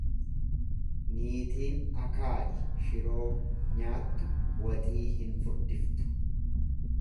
Niitiin akaa'i shiroo nyaattu waxii hin furdiftu.